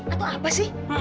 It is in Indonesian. atau apa sih